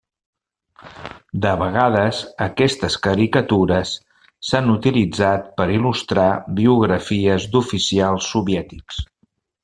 De vegades, aquestes caricatures s'han utilitzat per il·lustrar biografies d'oficials soviètics.